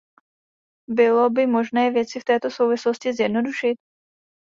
Bylo by možné věci v této souvislosti zjednodušit?